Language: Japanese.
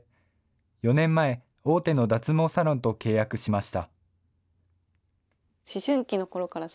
４年前、大手の脱毛サロンと契約しました。